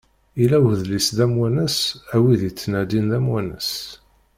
Illa udlis d amwanes a wid ittnadin amwanes.